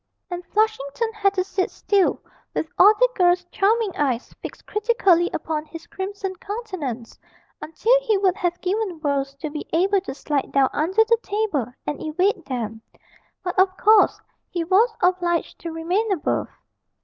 And Flushington had to sit still with all the girls' charming eyes fixed critically upon his crimson countenance, until he would have given worlds to be able to slide down under the table and evade them, but of course he was obliged to remain above.